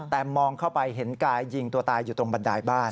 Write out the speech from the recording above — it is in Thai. แต่มองเข้าไปเห็นกายยิงตัวตายอยู่ตรงบันไดบ้าน